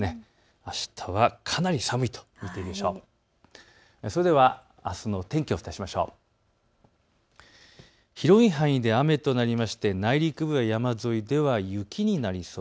あしたはかなり寒いと見ていいでしょう。